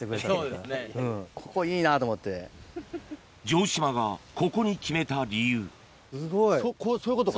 城島がここに決めた理由そういうことか。